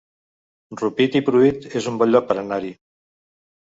Rupit i Pruit es un bon lloc per anar-hi